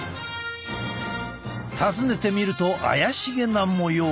訪ねてみると怪しげな模様が。